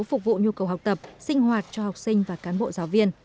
phục vụ nhu cầu học tập sinh hoạt cho học sinh và cán bộ giáo viên